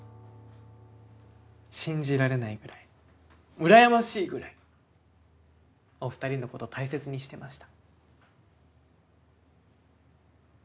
信じられないぐらいうらやましいぐらいお二人の事大切にしてました。